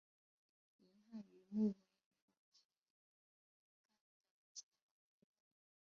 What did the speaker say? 银汉鱼目为辐鳍鱼纲的其中一目。